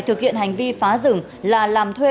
thực hiện hành vi phá rừng là làm thuê